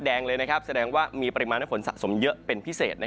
แดงเลยนะครับแสดงว่ามีปริมาณผลสะสมเยอะเป็นพิเศษนะ